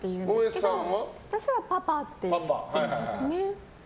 私はパパって言ってますね。